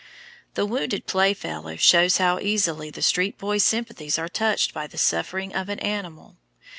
The Wounded Playfellow shows how easily the street boy's sympathies are touched by the suffering of an animal.